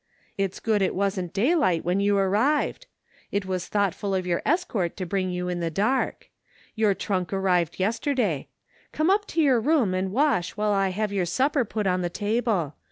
It's good it wasn't daylight when you arrived. It was thoughtful of your escort to bring you in the dark. Your trunk arrived yester day. Come up to your room and wash while I have your supper put on the table.